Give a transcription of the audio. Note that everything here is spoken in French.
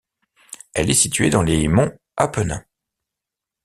Elle est située dans les monts Apennins.